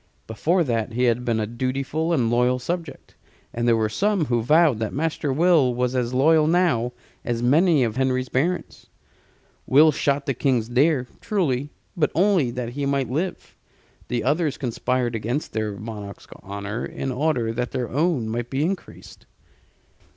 Before that he had been a dutiful and loyal subject, and there were some who vowed that Master Will was as loyal now as many of Henry's barons. Will shot the King's deer, truly, but only that he might live: the others conspired against their monarch's honor, in order that their own might be increased.